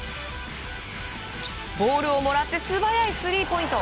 ボールをもらって素早いスリーポイント。